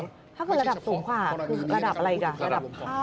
ถ้าคือระดับสูงกว่าระดับอะไรก่อน